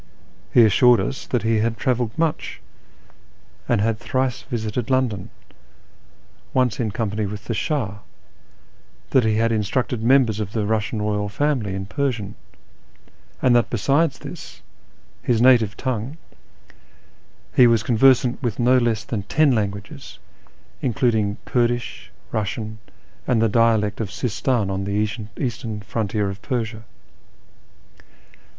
He assured us that he had travelled much, and had thrice visited London, once in company with the Shah ; that he had instructed members of the Eussian royal family in Persian ; and that besides this, his native tongue, he was conversant with no less than ten languages, including Kurdish, Eussian, and the dialect of Sistan on the eastern frontier of Persia.